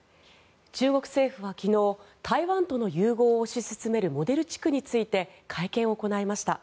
中国政府は昨日台湾との融合を推し進めるモデル地区について会見を行いました。